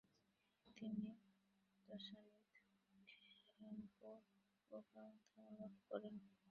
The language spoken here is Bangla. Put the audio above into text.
তিনি ত্সানিদ খেনপো উপাধলাভ করেন।